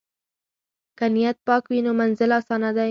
که نیت پاک وي نو منزل آسانه دی.